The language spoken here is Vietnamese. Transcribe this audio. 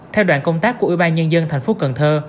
theo đoàn công tác của ủy ban nhân dân thành phố cần thơ